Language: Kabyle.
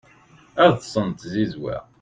ad ṭṭsen d tzizwa